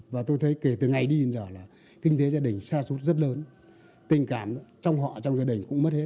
và tôi thấy kể từ ngày đi đến giờ là kinh tế gia đình xa suốt rất lớn tình cảm trong họ trong gia đình cũng mất hết